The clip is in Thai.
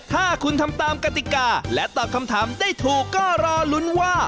ถ้าคุณทำตามกติกาและตอบคำถามได้ถูกก็รอลุ้นว่า